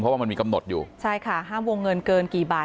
เพราะว่ามันมีกำหนดอยู่ใช่ค่ะห้ามวงเงินเกินกี่บาท